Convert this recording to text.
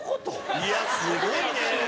いやすごいね！